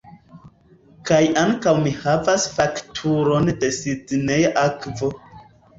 Kaj ankaŭ mi havas fakturon de Sidneja Akvo.